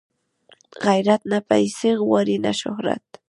غیرت نه پیسې غواړي نه شهرت